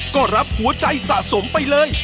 ก็รับหัวใจสะสมไปเลย